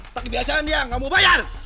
tak kebiasaan ya gak mau bayar